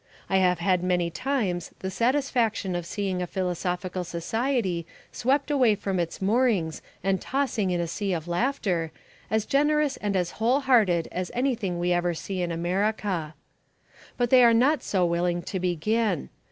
I have had many times the satisfaction of seeing a Philosophical Society swept away from its moorings and tossing in a sea of laughter, as generous and as whole hearted as anything we ever see in America. But they are not so willing to begin.